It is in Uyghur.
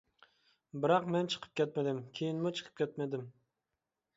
بىراق مەن چىقىپ كەتمىدىم، كېيىنمۇ چىقىپ كەتمىدىم.